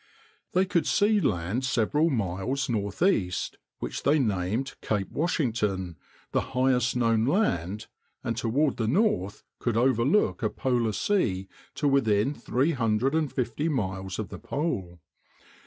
They could see land several miles northeast, which they named Cape Washington, the highest known land, and toward the north could overlook a polar sea to within three hundred and fifty miles of the pole.